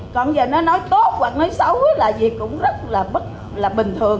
còn giờ nó nói tốt hoặc nói xấu là gì cũng rất là bình thường